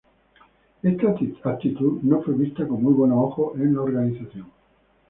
Esta actitud no fue vista con muy buenos ojos en la organización.